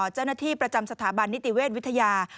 เจ้าหน้าที่ประจำสถาบันนิติเวชวิทยา